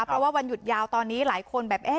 เพราะว่าวันหยุดยาวตอนนี้หลายคนแบบเอ๊ะ